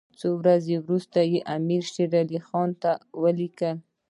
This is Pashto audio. څو ورځې وروسته یې امیر شېر علي خان ته ولیکل.